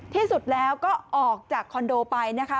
ที่สุดแล้วก็ออกจากคอนโดไปนะคะ